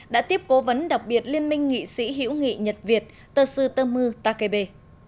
đã tiếp cố vấn đặc biệt liên minh nghị sĩ hiểu nghị nhật việt tơ sư tơ mưu takebe